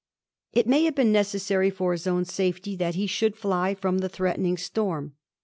It may have been necessary for his own safety that he should fly from the threatening storm.